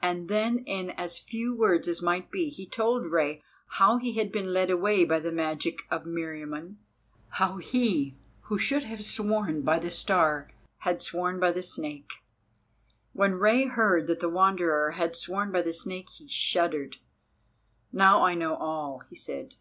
And then, in as few words as might be, he told Rei how he had been led away by the magic of Meriamun, how he who should have sworn by the Star had sworn by the Snake. When Rei heard that the Wanderer had sworn by the Snake, he shuddered. "Now I know all," he said.